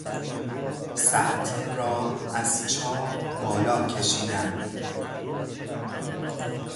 سطل را از چاه بالا کشیدن